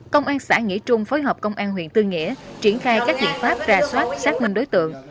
công an xã nghĩa trung phối hợp công an huyện tương nghĩa triển khai các diện pháp rà soát xác minh đối tượng